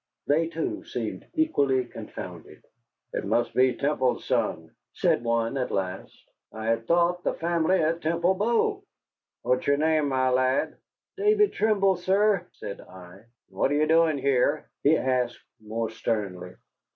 They, too, seemed equally confounded. "It must be Temple's son," said one, at last. "I had thought the family at Temple Bow. What's your name, my lad?" "David Trimble, sir," said I. "And what are you doing here?" he asked more sternly.